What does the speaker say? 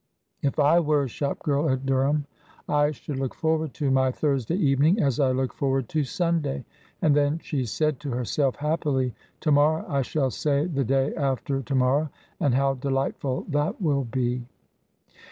If I were a shop girl at Dereham, I should look forward to my Thursday evening as I look forward to Sunday;" and then she said to herself, happily, "To morrow I shall say the day after to morrow, and how delightful that will be!"